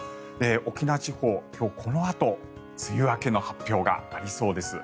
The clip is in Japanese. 沖縄地方、今日このあと梅雨明けの発表がありそうです。